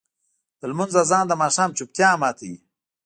د لمونځ اذان د ماښام چوپتیا ماتوي.